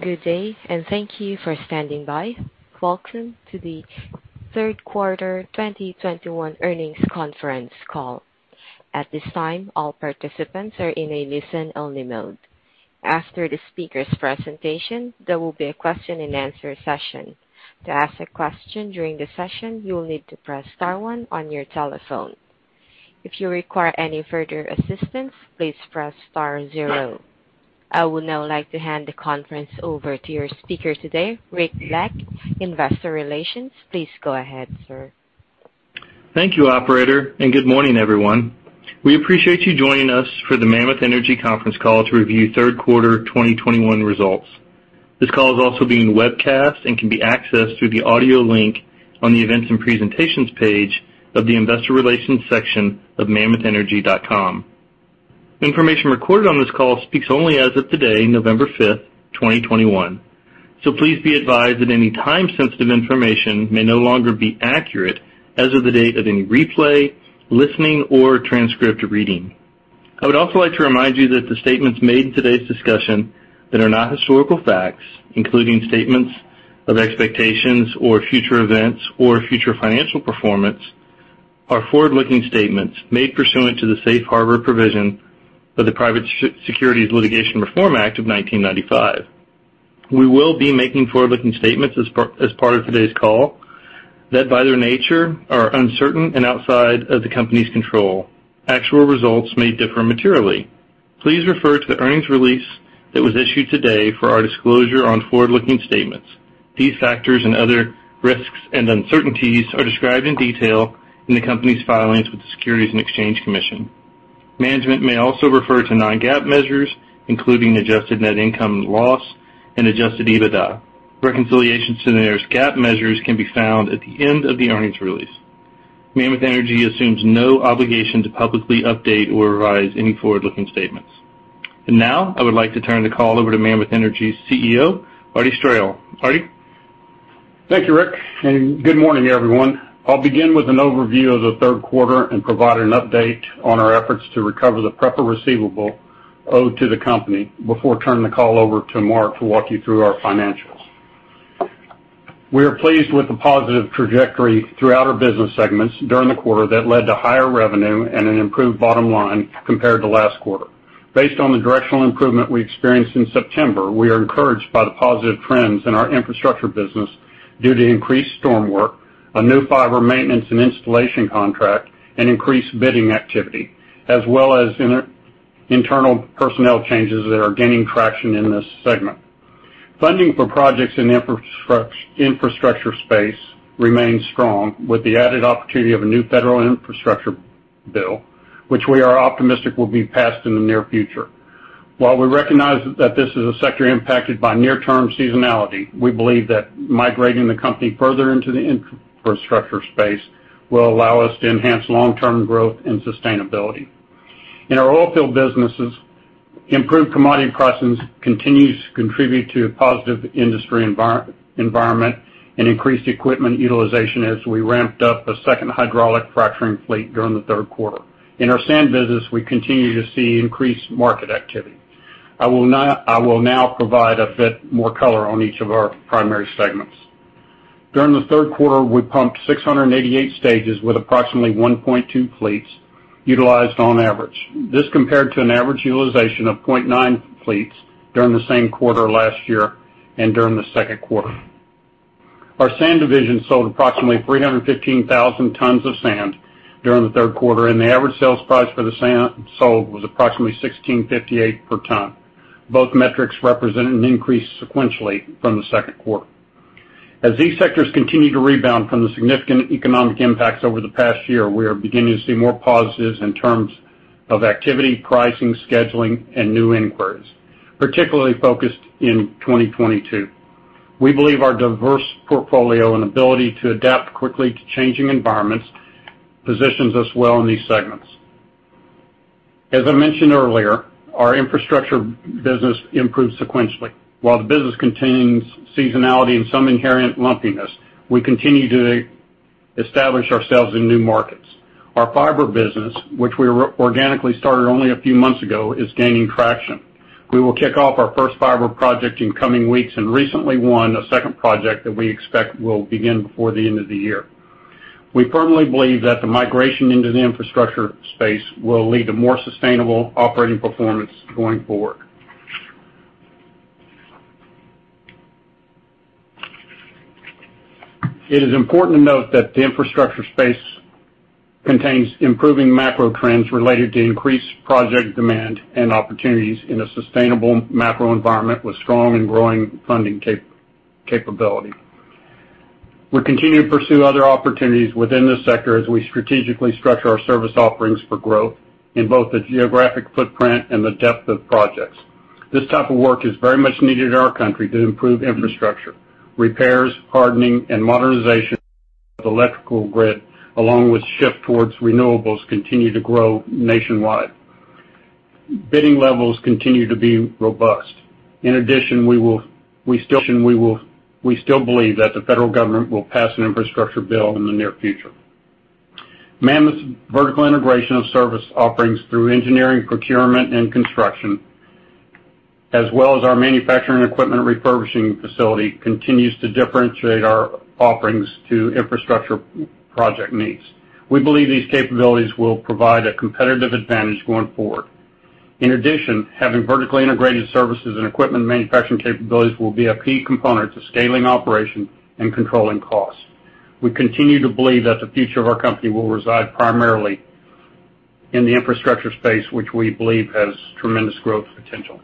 Good day, and thank you for standing by. Welcome to the third quarter 2021 earnings conference call. At this time, all participants are in a listen-only mode. After the speaker's presentation, there will be a question-and-answer session. To ask a question during the session, you will need to press star one on your telephone. If you require any further assistance, please press star zero. I would now like to hand the conference over to your speaker today, Rick Black, Investor Relations. Please go ahead, sir. Thank you operator, and good morning everyone. We appreciate you joining us for the Mammoth Energy conference call to review third quarter 2021 results. This call is also being webcast and can be accessed through the audio link on the Events and Presentations page of the Investor Relations section of mammothenergy.com. Information recorded on this call speaks only as of today, November 5, 2021. Please be advised that any time-sensitive information may no longer be accurate as of the date of any replay, listening, or transcript reading. I would also like to remind you that the statements made in today's discussion that are not historical facts, including statements of expectations or future events or future financial performance, are forward-looking statements made pursuant to the Safe Harbor provision of the Private Securities Litigation Reform Act of 1995. We will be making forward-looking statements as part of today's call that, by their nature, are uncertain and outside of the company's control. Actual results may differ materially. Please refer to the earnings release that was issued today for our disclosure on forward-looking statements. These factors and other risks and uncertainties are described in detail in the company's filings with the Securities and Exchange Commission. Management may also refer to non-GAAP measures, including adjusted net income loss and adjusted EBITDA. Reconciliations to various GAAP measures can be found at the end of the earnings release. Mammoth Energy assumes no obligation to publicly update or revise any forward-looking statements. Now, I would like to turn the call over to Mammoth Energy's CEO, Arty Straehla. Arty? Thank you Rick, and good morning, everyone. I'll begin with an overview of the third quarter and provide an update on our efforts to recover the PREPA receivable owed to the company before turning the call over to Mark to walk you through our financials. We are pleased with the positive trajectory throughout our business segments during the quarter that led to higher revenue and an improved bottom line compared to last quarter. Based on the directional improvement we experienced in September, we are encouraged by the positive trends in our infrastructure business due to increased storm work, a new fiber maintenance and installation contract, and increased bidding activity, as well as internal personnel changes that are gaining traction in this segment. Funding for projects in the infrastructure space remains strong, with the added opportunity of a new federal infrastructure bill, which we are optimistic will be passed in the near future. While we recognize that this is a sector impacted by near-term seasonality, we believe that migrating the company further into the infrastructure space will allow us to enhance long-term growth and sustainability. In our oilfield businesses, improved commodity prices continues to contribute to a positive industry environment and increased equipment utilization as we ramped up a second hydraulic fracturing fleet during the third quarter. In our sand business, we continue to see increased market activity. I will now provide a bit more color on each of our primary segments. During the third quarter, we pumped 688 stages with approximately 1.2 fleets utilized on average. This compared to an average utilization of 0.9 fleets during the same quarter last year and during the second quarter. Our sand division sold approximately 315,000 tons of sand during the third quarter, and the average sales price for the sand sold was approximately $16.58 per ton. Both metrics represented an increase sequentially from the second quarter. As these sectors continue to rebound from the significant economic impacts over the past year, we are beginning to see more positives in terms of activity, pricing, scheduling, and new inquiries, particularly focused in 2022. We believe our diverse portfolio and ability to adapt quickly to changing environments positions us well in these segments. As I mentioned earlier, our infrastructure business improved sequentially. While the business contains seasonality and some inherent lumpiness, we continue to establish ourselves in new markets. Our fiber business, which we organically started only a few months ago, is gaining traction. We will kick off our first fiber project in coming weeks and recently won a second project that we expect will begin before the end of the year. We firmly believe that the migration into the infrastructure space will lead to more sustainable operating performance going forward. It is important to note that the infrastructure space contains improving macro trends related to increased project demand and opportunities in a sustainable macro environment with strong and growing funding capability. We continue to pursue other opportunities within this sector as we strategically structure our service offerings for growth in both the geographic footprint and the depth of projects. This type of work is very much needed in our country to improve infrastructure. Repairs, hardening, and modernization of electrical grid, along with shift towards renewables, continue to grow nationwide. Bidding levels continue to be robust. In addition, we still believe that the federal government will pass an infrastructure bill in the near future. Mammoth's vertical integration of service offerings through engineering, procurement, and construction, as well as our manufacturing equipment refurbishing facility, continues to differentiate our offerings to infrastructure project needs. We believe these capabilities will provide a competitive advantage going forward. In addition, having vertically integrated services and equipment manufacturing capabilities will be a key component to scaling operation and controlling costs. We continue to believe that the future of our company will reside primarily in the infrastructure space which we believe has tremendous growth potential.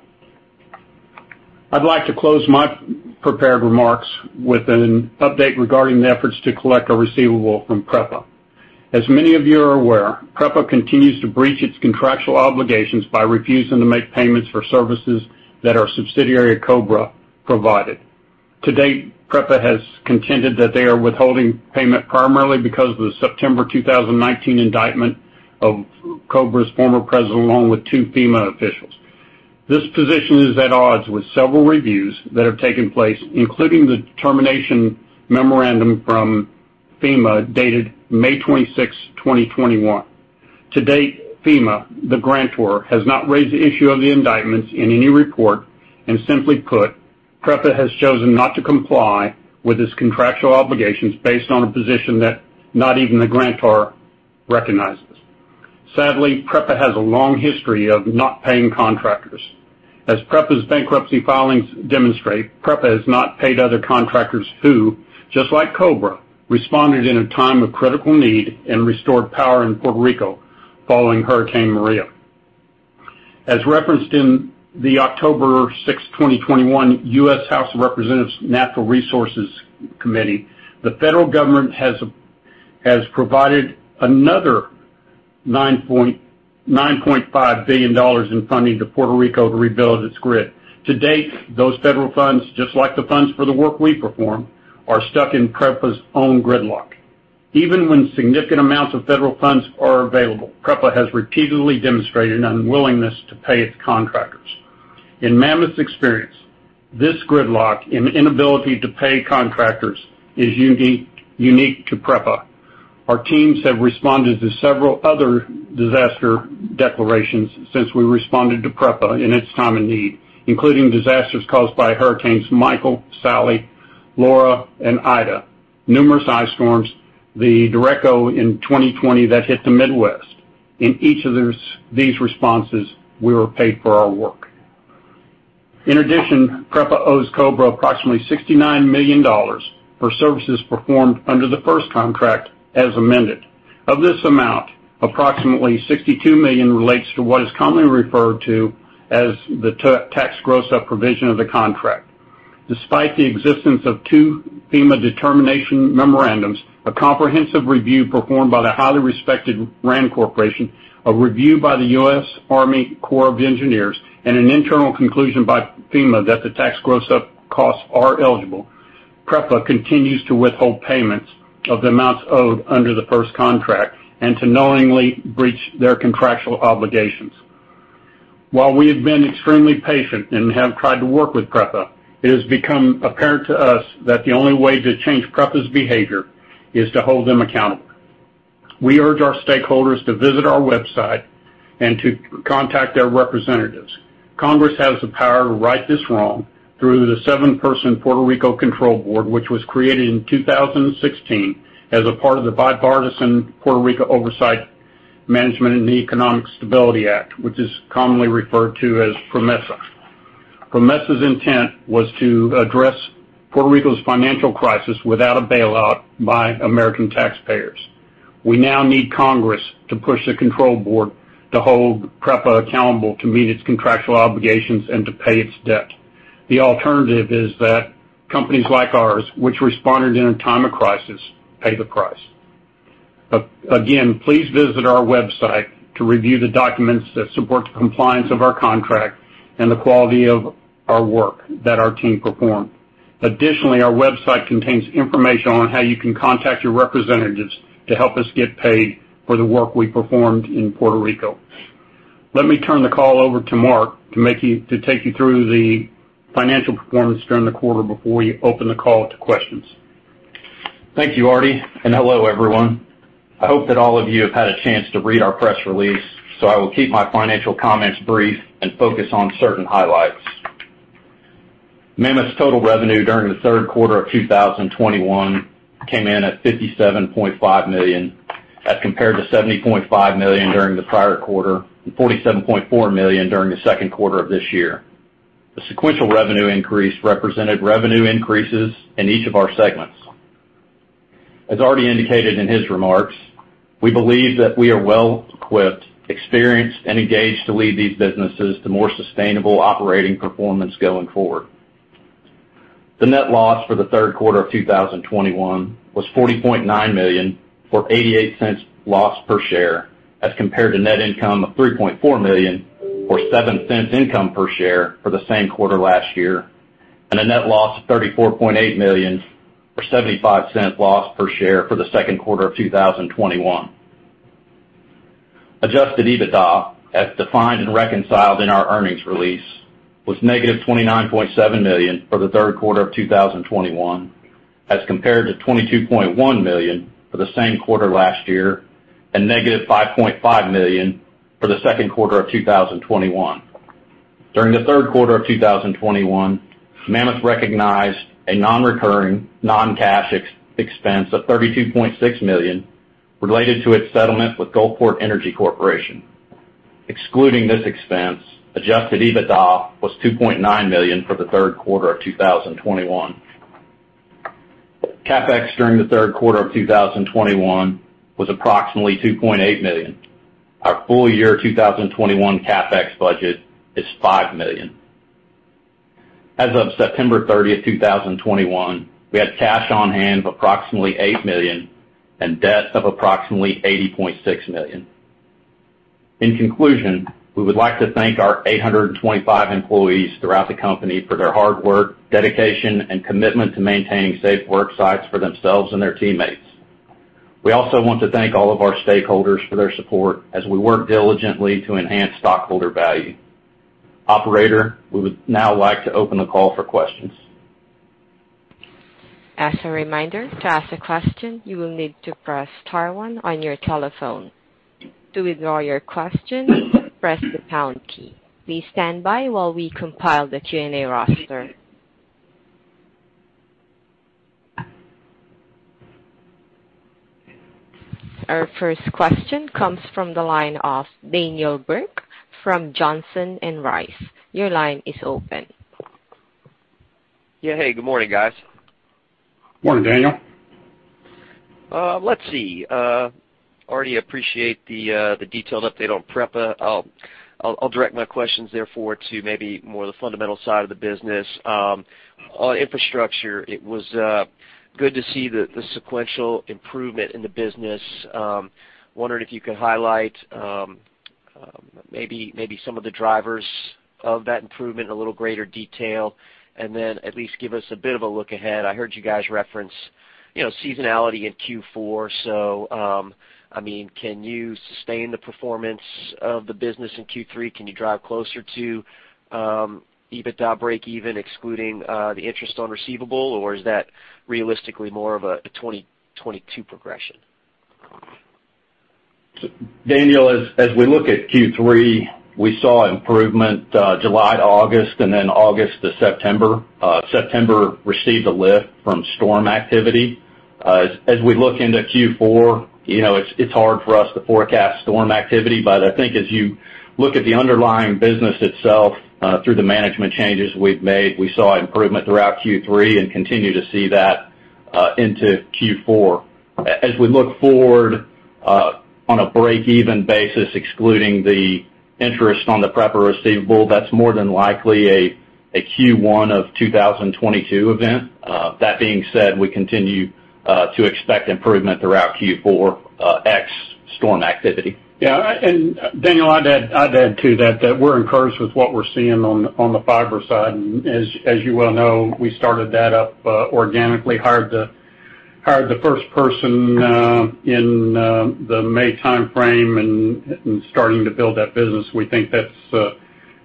I'd like to close my prepared remarks with an update regarding the efforts to collect our receivable from PREPA. As many of you are aware, PREPA continues to breach its contractual obligations by refusing to make payments for services that our subsidiary, Cobra, provided. To date, PREPA has contended that they are withholding payment primarily because of the September 2019 indictment of Cobra's former president, along with two FEMA officials. This position is at odds with several reviews that have taken place, including the termination memorandum from FEMA dated May 26, 2021. To date, FEMA, the grantor, has not raised the issue of the indictments in any report, and simply put, PREPA has chosen not to comply with its contractual obligations based on a position that not even the grantor recognizes. Sadly, PREPA has a long history of not paying contractors. As PREPA's bankruptcy filings demonstrate, PREPA has not paid other contractors who, just like Cobra, responded in a time of critical need and restored power in Puerto Rico following Hurricane Maria. As referenced in the October 6, 2021 U.S. House of Representatives Natural Resources Committee, the federal government has provided another $9.5 billion in funding to Puerto Rico to rebuild its grid. To date, those federal funds, just like the funds for the work we perform, are stuck in PREPA's own gridlock. Even when significant amounts of federal funds are available, PREPA has repeatedly demonstrated an unwillingness to pay its contractors. In Mammoth's experience, this gridlock and inability to pay contractors is unique to PREPA. Our teams have responded to several other disaster declarations since we responded to PREPA in its time of need, including disasters caused by Hurricanes Michael, Sally, Laura, and Ida, numerous ice storms, the derecho in 2020 that hit the Midwest. In each of these responses, we were paid for our work. In addition, PREPA owes Cobra approximately $69 million for services performed under the first contract as amended. Of this amount, approximately $62 million relates to what is commonly referred to as the tax gross-up provision of the contract. Despite the existence of two FEMA determination memorandums, a comprehensive review performed by the highly respected RAND Corporation, a review by the U.S. Army Corps of Engineers, and an internal conclusion by FEMA that the tax gross-up costs are eligible, PREPA continues to withhold payments of the amounts owed under the first contract and to knowingly breach their contractual obligations. While we have been extremely patient and have tried to work with PREPA, it has become apparent to us that the only way to change PREPA's behavior is to hold them accountable. We urge our stakeholders to visit our website and to contact their representatives. Congress has the power to right this wrong through the seven-person Financial Oversight and Management Board for Puerto Rico, which was created in 2016 as a part of the bipartisan Puerto Rico Oversight, Management, and Economic Stability Act, which is commonly referred to as PROMESA. PROMESA's intent was to address Puerto Rico's financial crisis without a bailout by American taxpayers. We now need Congress to push the control board to hold PREPA accountable to meet its contractual obligations and to pay its debt. The alternative is that companies like ours, which responded in a time of crisis, pay the price. Again, please visit our website to review the documents that support the compliance of our contract and the quality of our work that our team performed. Additionally, our website contains information on how you can contact your representatives to help us get paid for the work we performed in Puerto Rico. Let me turn the call over to Mark to take you through the financial performance during the quarter before you open the call to questions. Thank you Arty, and hello everyone. I hope that all of you have had a chance to read our press release, so I will keep my financial comments brief and focus on certain highlights. Mammoth's total revenue during the third quarter of 2021 came in at $57.5 million, as compared to $70.5 million during the prior quarter and $47.4 million during the second quarter of this year. The sequential revenue increase represented revenue increases in each of our segments. As Arty indicated in his remarks, we believe that we are well-equipped, experienced, and engaged to lead these businesses to more sustainable operating performance going forward. The net loss for the third quarter of 2021 was $40.9 million, or $0.88 loss per share, as compared to net income of $3.4 million, or $0.07 income per share for the same quarter last year, and a net loss of $34.8 million, or $0.75 loss per share for the second quarter of 2021. Adjusted EBITDA, as defined and reconciled in our earnings release, was negative $29.7 million for the third quarter of 2021, as compared to $22.1 million for the same quarter last year and negative $5.5 million for the second quarter of 2021. During the third quarter of 2021, Mammoth recognized a non-recurring, non-cash expense of $32.6 million related to its settlement with Gulfport Energy Corporation. Excluding this expense, Adjusted EBITDA was $2.9 million for the third quarter of 2021. CapEx during the third quarter of 2021 was approximately $2.8 million. Our full year 2021 CapEx budget is $5 million. As of September 30, 2021, we had cash on hand of approximately $8 million and debt of approximately $80.6 million. In conclusion, we would like to thank our 825 employees throughout the company for their hard work, dedication, and commitment to maintaining safe work sites for themselves and their teammates. We also want to thank all of our stakeholders for their support as we work diligently to enhance stockholder value. Operator, we would now like to open the call for questions. As a reminder, to ask a question, you will need to press star one on your telephone. To withdraw your question, press the pound key. Please stand by while we compile the Q&A roster. Our first question comes from the line of Daniel Burke from Johnson and Rice. Your line is open. Yeah. Hey, good morning, guys. Morning, Daniel. Let's see. Arty, appreciate the detailed update on PREPA. I'll direct my questions therefore to maybe more the fundamental side of the business. On infrastructure, it was good to see the sequential improvement in the business. Wondering if you could highlight maybe some of the drivers of that improvement in a little greater detail, and then at least give us a bit of a look ahead. I heard you guys reference, you know, seasonality in Q4. I mean, can you sustain the performance of the business in Q3? Can you drive closer to EBITDA breakeven excluding the interest on receivable, or is that realistically more of a 2022 progression? Daniel, as we look at Q3, we saw improvement, July to August, and then August to September. As we look into Q4, you know, it's hard for us to forecast storm activity. But I think as you look at the underlying business itself, through the management changes we've made, we saw improvement throughout Q3 and continue to see that into Q4. As we look forward, on a breakeven basis, excluding the interest on the PREPA receivable, that's more than likely a Q1 of 2022 event. That being said, we continue to expect improvement throughout Q4, ex storm activity. Yeah. Daniel, I'd add to that we're encouraged with what we're seeing on the fiber side. As you well know, we started that up organically, hired the first person in the May timeframe and starting to build that business. We think that's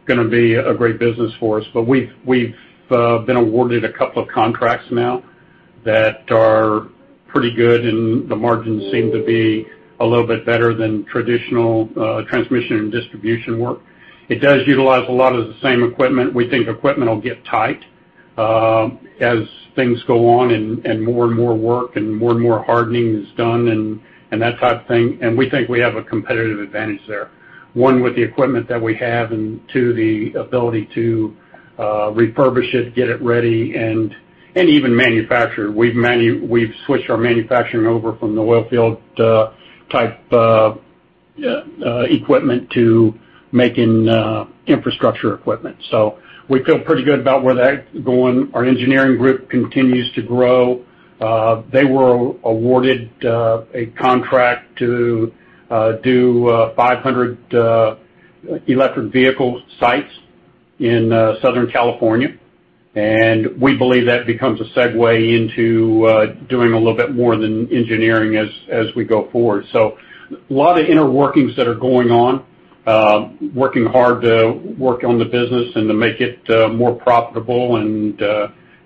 gonna be a great business for us. We've been awarded a couple of contracts now that are pretty good, and the margins seem to be a little bit better than traditional transmission and distribution work. It does utilize a lot of the same equipment. We think equipment will get tight as things go on and more and more work and more and more hardening is done and that type of thing. We think we have a competitive advantage there, one, with the equipment that we have, and two, the ability to refurbish it, get it ready, and even manufacture. We've switched our manufacturing over from the oil field type of equipment to making infrastructure equipment. We feel pretty good about where that's going. Our engineering group continues to grow. They were awarded a contract to do 500 electric vehicle sites in Southern California. We believe that becomes a segue into doing a little bit more in engineering as we go forward. A lot of inner workings that are going on, working hard to work on the business and to make it more profitable and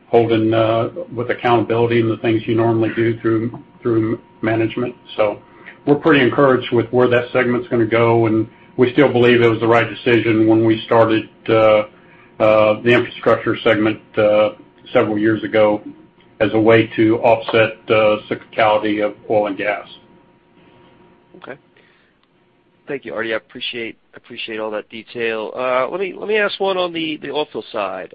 holding with accountability and the things you normally do through management. We're pretty encouraged with where that segment's gonna go, and we still believe it was the right decision when we started the infrastructure segment several years ago as a way to offset the cyclicality of oil and gas. Okay. Thank you, Arty. I appreciate all that detail. Let me ask one on the oilfield side.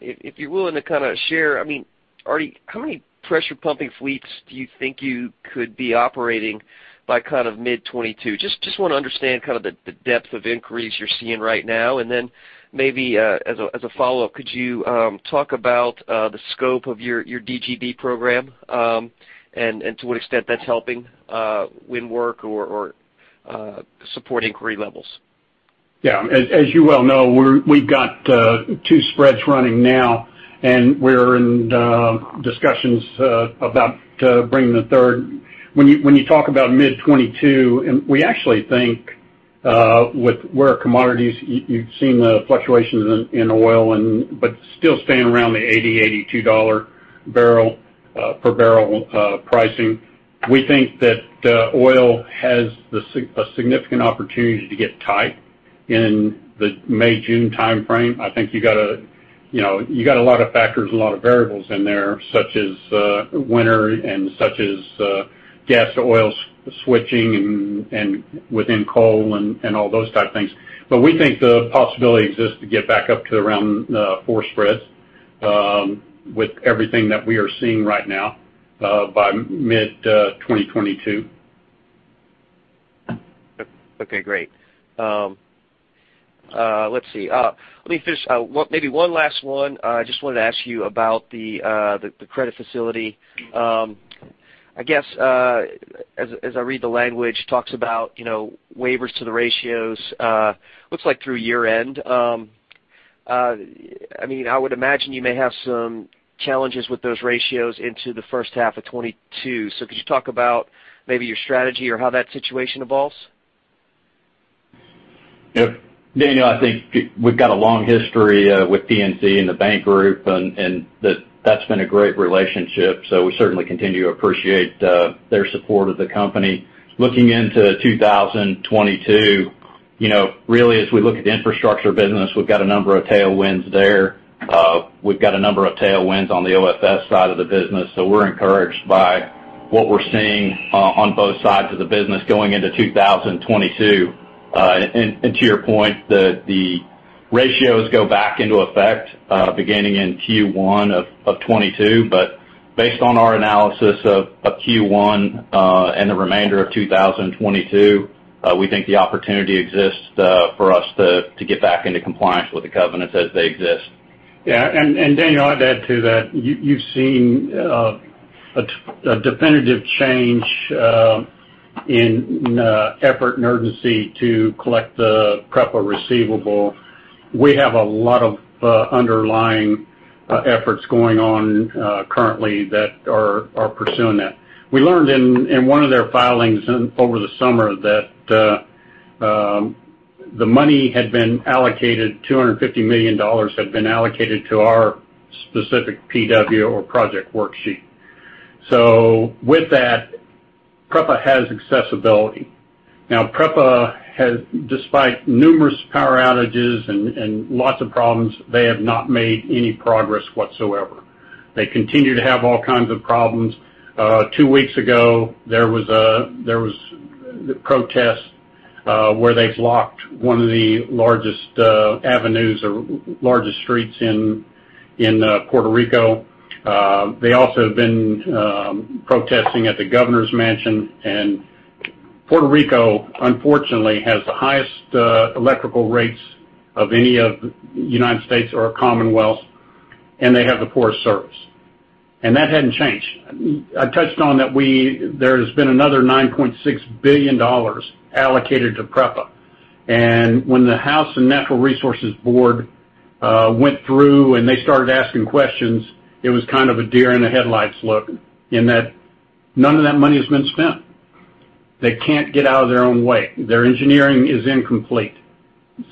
If you're willing to kind of share, I mean, Arty how many pressure pumping fleets do you think you could be operating by kind of mid-2022? Just wanna understand kind of the depth of inquiries you're seeing right now. Maybe as a follow-up, could you talk about the scope of your DGB program and to what extent that's helping win work or support inquiry levels? Yeah. As you well know, we've got two spreads running now, and we're in discussions about bringing the third. When you talk about mid-2022, we actually think, with where commodities—you've seen the fluctuations in oil but still staying around the $82 per barrel pricing. We think that oil has a significant opportunity to get tight in the May-June timeframe. I think you got a - you know, you got a lot of factors and a lot of variables in there, such as winter and such as gas-to-oil switching and within coal and all those type things. We think the possibility exists to get back up to around four spreads with everything that we are seeing right now by mid-2022. Okay, great. Let's see. Let me finish maybe one last one. I just wanted to ask you about the credit facility. I guess as I read the language, it talks about, you know, waivers to the ratios, looks like through year-end. I mean, I would imagine you may have some challenges with those ratios into the first half of 2022. Could you talk about maybe your strategy or how that situation evolves? Yep. Daniel, I think we've got a long history with PNC and the bank group and that's been a great relationship. We certainly continue to appreciate their support of the company. Looking into 2022, you know, really as we look at the infrastructure business, we've got a number of tailwinds there. We've got a number of tailwinds on the OFS side of the business. We're encouraged by what we're seeing on both sides of the business going into 2022. To your point, the ratios go back into effect beginning in Q1 of 2022. Based on our analysis of Q1 and the remainder of 2022, we think the opportunity exists for us to get back into compliance with the covenants as they exist. Yeah. Daniel, I'd add to that. You've seen a definitive change in effort and urgency to collect the PREPA receivable. We have a lot of underlying efforts going on currently that are pursuing that. We learned in one of their filings over the summer that $250 million had been allocated to our specific PW or project worksheet. So with that, PREPA has accessibility. Now, despite numerous power outages and lots of problems, PREPA has not made any progress whatsoever. They continue to have all kinds of problems. Two weeks ago, there were protests where they've blocked one of the largest avenues or largest streets in Puerto Rico. They also have been protesting at the governor's mansion. Puerto Rico, unfortunately, has the highest electrical rates of any of the United States or commonwealth, and they have the poorest service. That hadn't changed. I touched on that there's been another $9.6 billion allocated to PREPA. When the House Natural Resources Committee went through and they started asking questions, it was kind of a deer in the headlights look, in that none of that money has been spent. They can't get out of their own way. Their engineering is incomplete.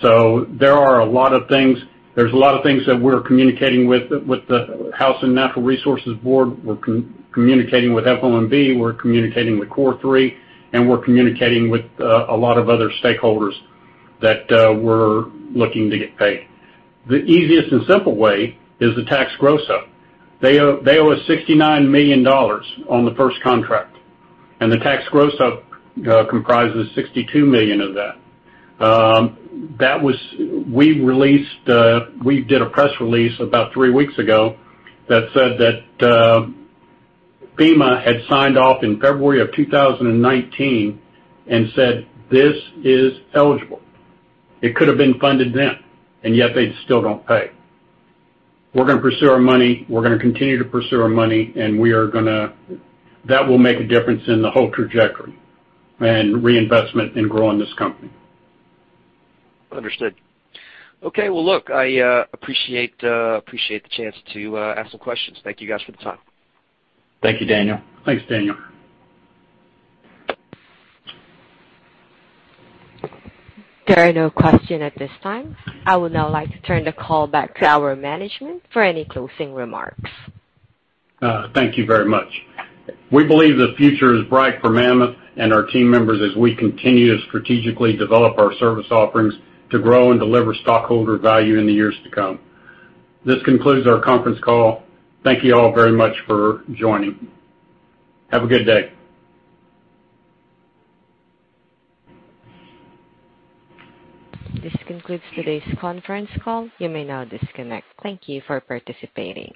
There are a lot of things that we're communicating with the House Natural Resources Committee. We're communicating with FOMB. We're communicating with COR3, and we're communicating with a lot of other stakeholders that were looking to get paid. The easiest and simple way is the tax gross-up. They owe us $69 million on the first contract, and the tax gross-up comprises $62 million of that. We released a press release about three weeks ago that said that FEMA had signed off in February 2019 and said, "This is eligible." It could have been funded then and yet they still don't pay. We're gonna pursue our money. We're gonna continue to pursue our money, and that will make a difference in the whole trajectory and reinvestment in growing this company. Understood. Okay. Well, look, I appreciate the chance to ask some questions. Thank you guys for the time. Thank you, Daniel. Thanks, Daniel. There are no questions at this time. I would now like to turn the call back to our management for any closing remarks. Thank you very much. We believe the future is bright for Mammoth and our team members as we continue to strategically develop our service offerings to grow and deliver stockholder value in the years to come. This concludes our conference call. Thank you all very much for joining. Have a good day. This concludes today's conference call. You may now disconnect. Thank you for participating.